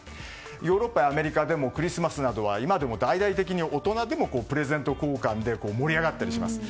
ヨーロッパやアメリカでもクリスマスなどは今でも大々的に大人でもプレゼント交換で盛り上がったりします。